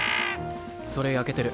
それ焼けてる。